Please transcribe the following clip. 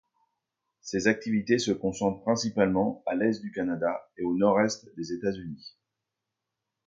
Ses activités se concentrent principalement à l’est du Canada et au nord-est des États-Unis.